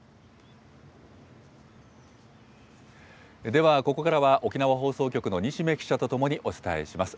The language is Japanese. では、ここからは沖縄放送局の西銘記者と共にお伝えします。